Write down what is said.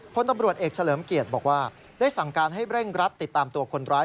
พลตำรวจเอกเฉลิมเกียรติบอกว่าได้สั่งการให้เร่งรัดติดตามตัวคนร้าย